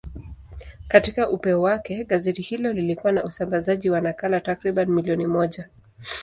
Katika upeo wake, gazeti hilo lilikuwa na usambazaji wa nakala takriban milioni moja.